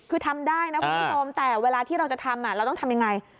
คือทำได้นะคุณผู้ชมแต่เวลาที่เราจะทำเราต้องทำยังไง